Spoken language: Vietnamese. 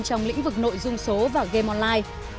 trong lĩnh vực nội dung số và game online